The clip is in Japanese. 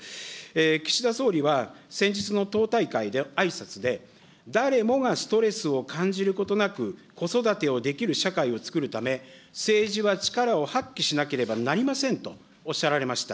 岸田総理は、先日の党大会であいさつで、誰もがストレスを感じることなく子育てをできる社会をつくるため、政治は力を発揮しなければなりませんとおっしゃられました。